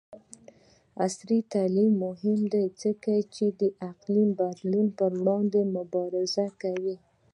عصري تعلیم مهم دی ځکه چې د اقلیم بدلون پر وړاندې مبارزه کوي.